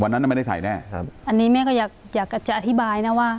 นั้นน่ะไม่ได้ใส่แน่ครับอันนี้แม่ก็อยากอยากจะอธิบายนะว่า